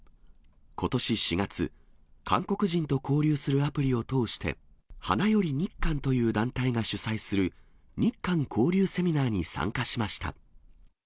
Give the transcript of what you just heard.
ことし４月、韓国人と交流するアプリを通して、花より日韓という団体が主催する日韓交流セミナーに参加しました。